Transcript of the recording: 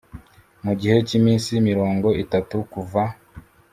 mu gihe cy iminsi mirongo itatu kuva